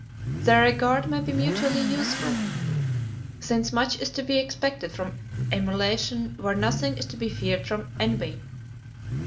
Their regard may be mutually useful, since much is to be expected from emulation where nothing is to be feared from envy.